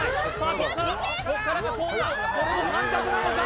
ここからここからが勝負だこれも感覚なのか？